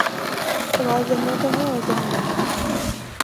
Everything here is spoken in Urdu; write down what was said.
سوال ذہنوں کا ہے اور ذہن بند ہیں۔